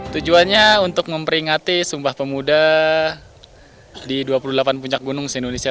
tujuannya untuk memperingati sumpah pemuda di dua puluh delapan puncak gunung se indonesia